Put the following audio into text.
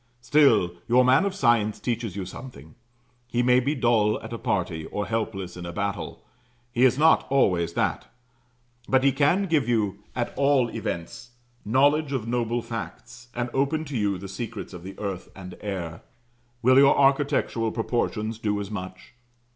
Still, your man of science teaches you something; he may be dull at a party, or helpless in a battle, he is not always that; but he can give you, at all events, knowledge of noble facts, and open to you the secrets of the earth and air. Will your architectural proportions do as much?